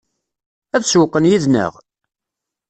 Ad sewwqen yid-neɣ?